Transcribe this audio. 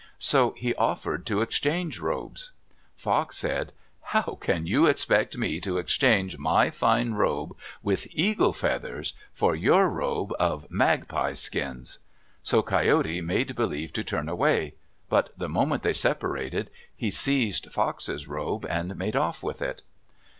So he offered to exchange robes. Fox said, "How can you expect me to exchange my fine robe with eagle feathers for your robe of magpie skins?" So Coyote made believe to turn away; but the moment they separated, he seized Fox's robe and made off with it.